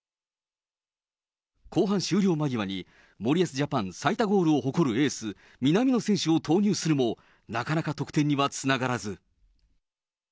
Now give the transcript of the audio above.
後半終了間際に、森保ジャパン最多ゴールを誇るエース、南野選手を投入するも、なかなか得点にはつながらず。